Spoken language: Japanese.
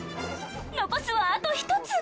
残すはあと１つ！